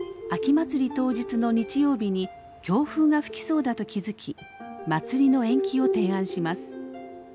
当日の日曜日に強風が吹きそうだと気付き祭りの延期を提案します。